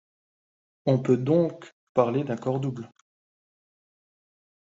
On peut donc parler d'un corps double.